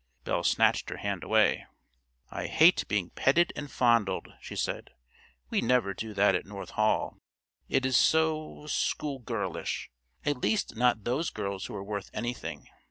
Belle snatched her hand away. "I hate being petted and fondled," she said; "we never do that at North Hall, it is so schoolgirlish—at least not those girls who are worth anything.